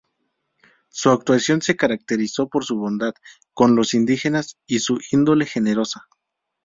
Su actuación se caracterizó por su bondad con los indígenas y su índole generosa.